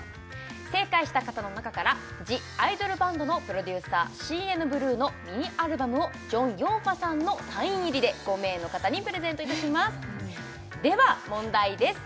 正解した方の中から「ＴＨＥＩＤＯＬＢＡＮＤ」のプロデューサーＣＮＢＬＵＥのミニアルバムをジョン・ヨンファさんのサイン入りで５名の方にプレゼントいたしますでは問題です